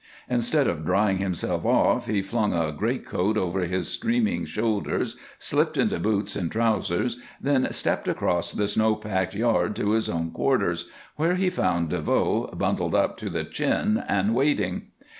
Instead of drying himself off he flung a greatcoat over his streaming shoulders, slipped into boots and trousers, then stepped across the snow packed yard to his own quarters, where he found DeVoe bundled up to the chin and waiting.